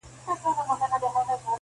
تاريخ يې ساتي په حافظه کي-